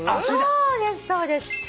そうですそうです。